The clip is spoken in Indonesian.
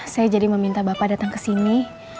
saya jadi meminta bapak datang kesini